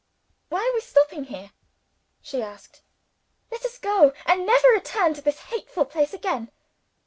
"Why are we stopping here?" she asked. "Let us go and never return to this hateful place again!"